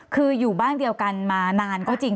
คืออยู่บ้านเดียวกันมานานก็จริง